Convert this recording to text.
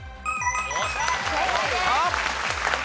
正解です。